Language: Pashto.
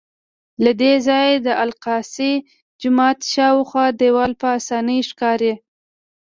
له دې ځایه د الاقصی جومات شاوخوا دیوال په اسانۍ ښکاري.